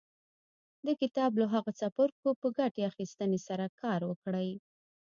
د کتاب له هغو څپرکو په ګټې اخيستنې سره کار وکړئ.